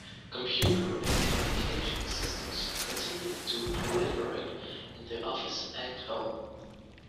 Computer and communications systems continue to proliferate in the office and home.